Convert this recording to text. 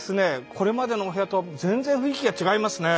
これまでのお部屋とは全然雰囲気が違いますねえ。